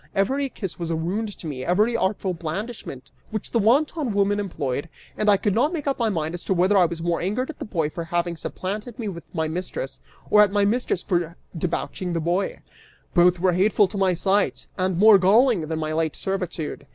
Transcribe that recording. Every kiss was a wound to me, every artful blandishment which the wanton woman employed, and I could not make up my mind as to whether I was more angered at the boy for having supplanted me with my mistress, or at my mistress for debauching the boy: both were hateful to my sight, and more galling than my late servitude.